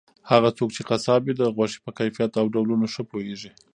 هغه څوک چې قصاب وي د غوښې په کیفیت او ډولونو ښه پوهیږي.